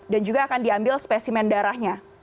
dan juga akan diambil spesimen darahnya